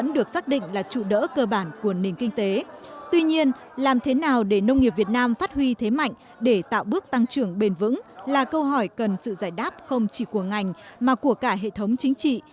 đỡ cơ bản của nền kinh tế tuy nhiên làm thế nào để nông nghiệp việt nam phát huy thế mạnh để tạo bước tăng trưởng bền vững là câu hỏi cần sự giải đáp không chỉ của ngành mà của cả hệ thống chính trị